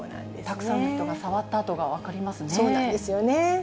たくさんの人が触った跡が分そうなんですよね。